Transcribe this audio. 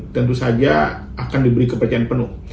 tentu saja akan diberi kepercayaan penuh